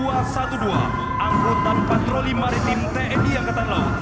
angkutan patroli maritim tni angkatan laut